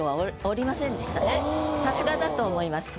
さすがだと思います